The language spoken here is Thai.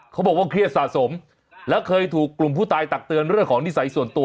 เขาบอกว่าเครียดสะสมแล้วเคยถูกกลุ่มผู้ตายตักเตือนเรื่องของนิสัยส่วนตัว